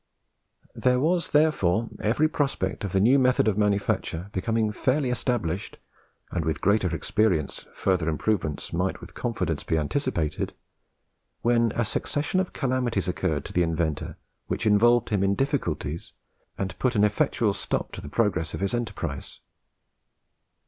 There was therefore every prospect of the new method of manufacture becoming fairly established, and with greater experience further improvements might with confidence be anticipated, when a succession of calamities occurred to the inventor which involved him in difficulties and put an effectual stop to the progress of his enterprise.